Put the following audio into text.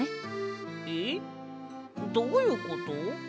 えっどういうこと？